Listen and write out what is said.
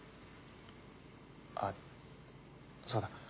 あっそうだ。